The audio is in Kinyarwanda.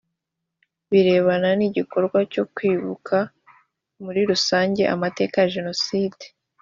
birebana n’igikorwa cyo kwibuka muri rusange amateka ya jenoside